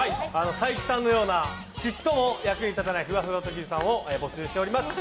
佐伯さんのようなちっとも役に立たないふわふわ特技さんを募集しております。